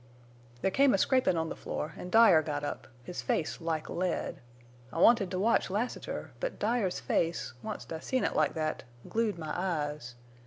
"There come a scrapin' on the floor an' Dyer got up, his face like lead. I wanted to watch Lassiter, but Dyer's face, onct I seen it like thet, glued my eyes.